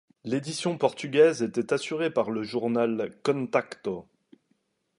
L'édition portugaise était assurée par le journal Contacto.